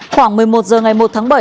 khoảng một mươi một h ngày một tháng bảy